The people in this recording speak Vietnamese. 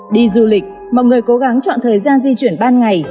đi du lịch mọi người cố gắng chọn thời gian di chuyển ban ngày